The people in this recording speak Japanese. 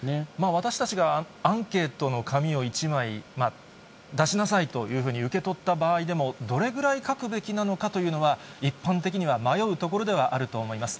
私たちがアンケートの紙を１枚、出しなさいというふうに受け取った場合でも、どれぐらい書くべきなのかというのは一般的には迷うところではあると思います。